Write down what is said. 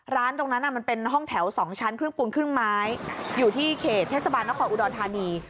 ร้านตรงนั้นมันเป็นห้องแถว๒ชั้นครึ่งปูนครึ่งไม้อยู่ที่เขตเทศบาลนครอุดรธานี